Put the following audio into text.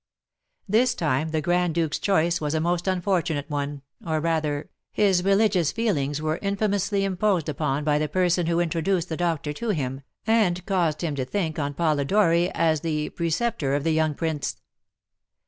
This time the Grand Duke's choice was a most unfortunate one, or, rather, his religious feelings were infamously imposed upon by the person who introduced the doctor to him, and caused him to think on Polidori as the preceptor of the young prince.